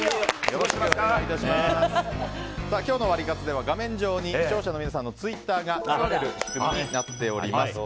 今日のワリカツでは画面上に視聴者の皆さんのツイッターが流れる仕組みになっています。